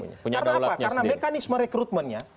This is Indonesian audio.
karena mekanisme rekrutmennya